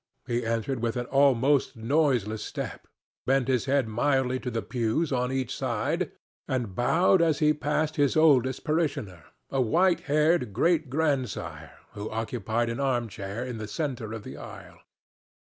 He entered with an almost noiseless step, bent his head mildly to the pews on each side and bowed as he passed his oldest parishioner, a white haired great grandsire, who occupied an arm chair in the centre of the aisle.